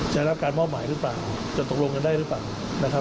จะรับการมอบหมายหรือเปล่าจะตกลงกันได้หรือเปล่านะครับ